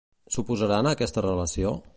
S'oposaran a aquesta relació?